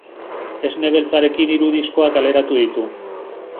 Esne Beltzarekin hiru diskoa kaleratu ditu.